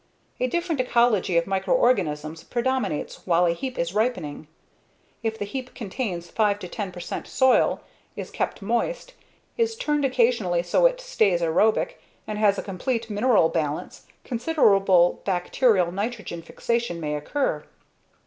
A different ecology of microorganisms predominates while a heap is ripening. If the heap contains 5 to 10 percent soil, is kept moist, is turned occasionally so it stays aerobic, and has a complete mineral balance, considerable bacterial nitrogen fixation may occur.